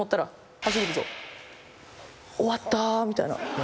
終わったみたいな。